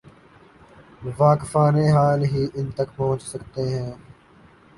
واقفان حال ہی ان تک پہنچ سکتے ہیں۔